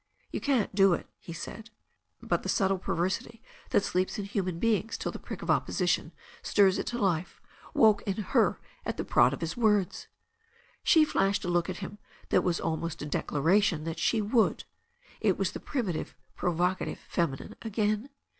"You can't do it," he said. But the subtle perversity that sleeps in human beings till the prick of opposition stirs it to life woke up in her at the prod of his words. She flashed a look at him that was almost a declaration that she would. It was the primitive provocative feminine again.